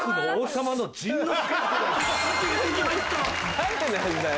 誰なんだよ？